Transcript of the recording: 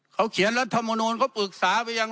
เขาเขียนรัฐมนูลเขาปรึกษาไปยัง